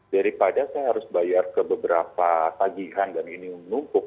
daripada saya harus bayar ke beberapa pagi handang ini untuk menumpuk